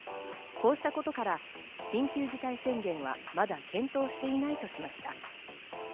こうしたことから緊急事態宣言はまだ検討していないとしました。